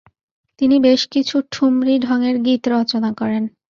তিনি বেশ কিছু ঠুমরী ঢংয়ের গীত রচনা করেন।